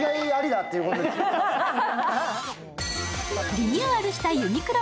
リニューアルしたユニクロ